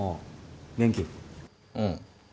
うん。